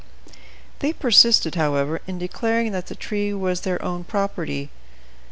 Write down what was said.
They persisted, however, in declaring that the tree was their own property.